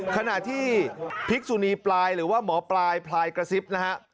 ขณะที่พิกษุนีปลายหรือว่าหมอปลายพลายกระซิบนะฮะ